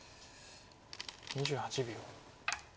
２８秒。